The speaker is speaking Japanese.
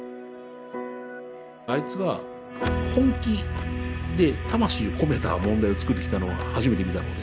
あいつが本気で魂を込めた問題を作ってきたのは初めて見たので。